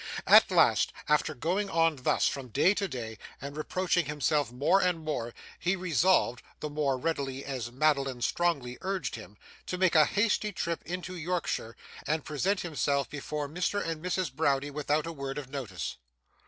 At last, after going on thus from day to day, and reproaching himself more and more, he resolved (the more readily as Madeline strongly urged him) to make a hasty trip into Yorkshire, and present himself before Mr. and Mrs. Browdie without a word of notice.